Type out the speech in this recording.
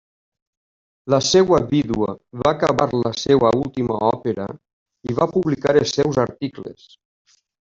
La seva vídua va acabar la seva última òpera i va publicar els seus articles.